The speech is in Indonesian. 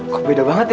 kok beda banget ya